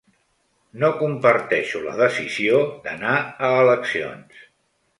No comparteixo la decisió d’anar a eleccions.